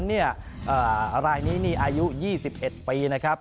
อะไรอายุนี้๒๑ปีนะครับ